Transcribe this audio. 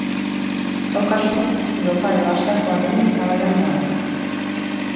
Kaukaso Europa edo Asiakoa den eztabaidan dago.